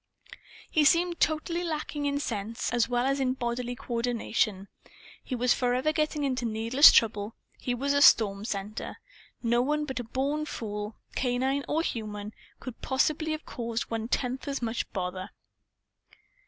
He seemed totally lacking in sense, as well as in bodily coordination. He was forever getting into needless trouble. He was a stormcenter. No one but a born fool canine or human could possibly have caused one tenth as much bother.